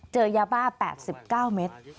เจอยาบ้า๘๙เมตร